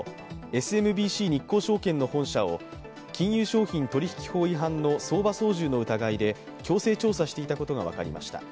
ＳＭＢＣ日興証券の本社を金融商品取引法違反の相場操縦の疑いで強制調査していたことが分かりました。